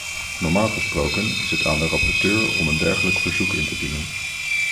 Normaal gesproken is het aan de rapporteur om een dergelijk verzoek in te dienen.